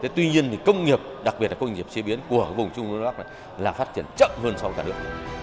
tuy nhiên công nghiệp đặc biệt là công nghiệp chế biến của vùng trung đô bắc là phát triển chậm hơn so với cả nước